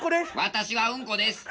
・私はうんこです！